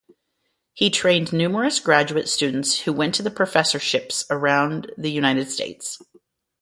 He trained numerous graduate students who went on to professorships around the United States.